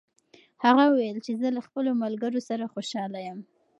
هغه وویل چې زه له خپلو ملګرو سره خوشحاله یم.